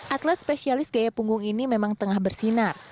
atlet spesialis gaya punggung ini memang tengah bersinar